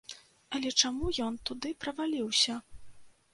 Але чаму ён туды праваліўся?